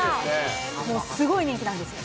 もうすごい人気なんです。